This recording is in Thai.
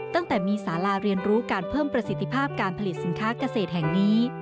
ตั้งแต่มีสาราเรียนรู้การเพิ่มประสิทธิภาพการผลิตสินค้าเกษตรแห่งนี้